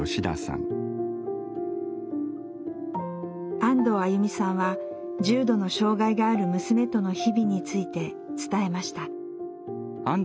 安藤歩さんは重度の障害がある娘との日々について伝えました。